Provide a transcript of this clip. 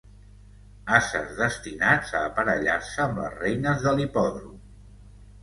Ases destinats a aparellar-se amb les reines de l'hipòdrom.